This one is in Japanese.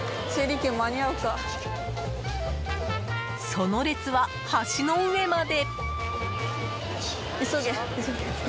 その列は橋の上まで。